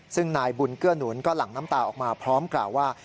ซึ่งนายบุญเกื้อหนุนก็หลั่งน้ำตาออกมาพร้อมกล่าวว่า